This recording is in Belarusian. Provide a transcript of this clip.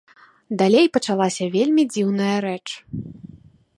Далей пачалася вельмі дзіўная рэч.